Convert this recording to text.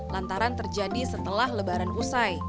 lantaran terjadi setelah lebaran usai